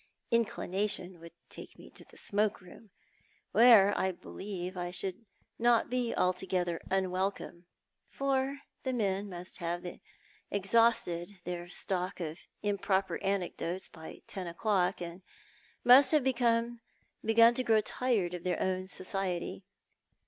Inclination would take me to the smoke room, where I believe I should be not altogether unwelcome ; for the men must have exhausted their stock of improper anecdotes by ten o'clock, and must have begun to grow tired of their own society.